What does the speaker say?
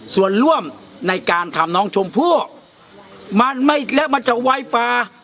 ส่วนร่วมในการทำน้องชมพู่มันไม่และมันจะไวฟ้า